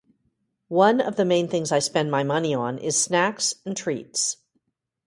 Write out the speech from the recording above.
One of the main things I spend my money on is snacks and treats.